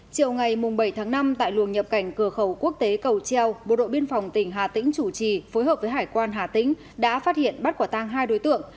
chiều ngày bảy tháng năm tại luồng nhập cảnh cửa khẩu quốc tế cầu treo bộ đội biên phòng tỉnh hà tĩnh chủ trì phối hợp với hải quan hà tĩnh đã phát hiện bắt quả tang hai đối tượng